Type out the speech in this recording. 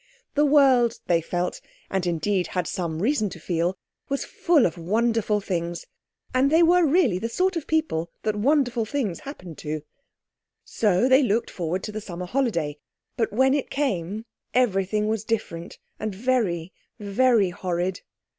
The world, they felt, and indeed had some reason to feel, was full of wonderful things—and they were really the sort of people that wonderful things happen to. So they looked forward to the summer holiday; but when it came everything was different, and very, very horrid.